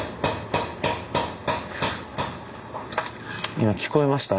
・今聞こえました？